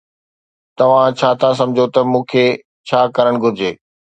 توهان ڇا ٿا سمجهو ته مون کي ڇا ڪرڻ گهرجي؟